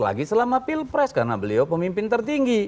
lagi selama pilpres karena beliau pemimpin tertinggi